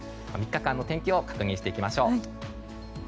３日間の天気を確認していきましょう。